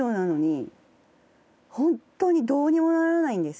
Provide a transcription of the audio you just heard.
本当にどうにもならないんです